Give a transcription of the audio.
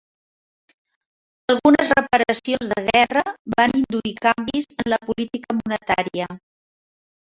Algunes reparacions de guerra van induir canvis en la política monetària.